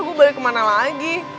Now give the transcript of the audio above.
gue balik kemana lagi